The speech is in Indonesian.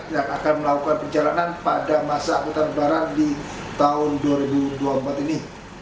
yang akan melakukan perjalanan pada masa angkutan lebaran di tahun dua ribu dua puluh empat ini